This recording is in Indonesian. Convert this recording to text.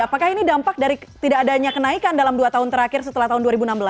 apakah ini dampak dari tidak adanya kenaikan dalam dua tahun terakhir setelah tahun dua ribu enam belas